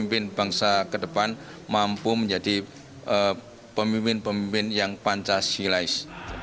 pemimpin bangsa ke depan mampu menjadi pemimpin pemimpin yang pancasilais